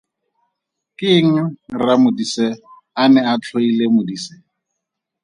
Ke eng RraModise a ne a tlhoile Modise?